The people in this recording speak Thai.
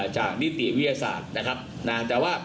จากนิติวิทยาศาสตร์